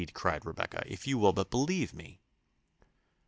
cried Rebecca: "if you will but believe me."